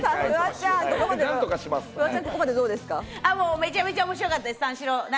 めちゃめちゃ面白かったです、三四郎。